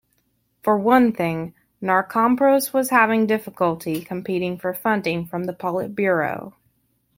For one thing, Narkompros was having difficulty competing for funding from the Politburo.